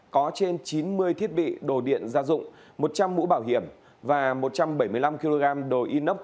có trên chín mươi thiết bị đồ điện gia dụng một trăm linh mũ bảo hiểm và một trăm bảy mươi năm kg đồ inox